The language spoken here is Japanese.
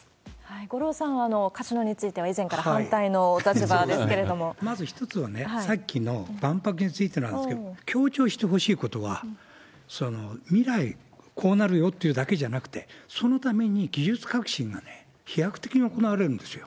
五郎さんはカジノについては以前から反対のお立場ですけれどまず１つはね、さっきの万博についてなんですけれども、強調してほしいことは、未来、こうなるよってだけじゃなくて、そのために技術革新が飛躍的に行われるんですよ。